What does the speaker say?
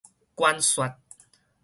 關說